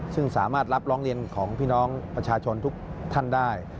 ซึ่งสามารถรับร้องเรียนของพี่น้องประชาชนทุกท่านได้